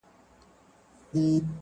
• خالي کړي له بچو یې ځالګۍ دي -